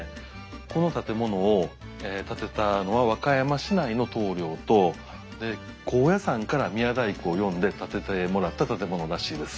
この建物を建てたのは和歌山市内の棟りょうと高野山から宮大工を呼んで建ててもらった建物らしいです。